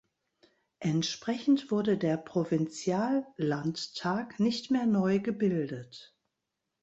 Entsprechend wurde der Provinziallandtag nicht mehr neu gebildet.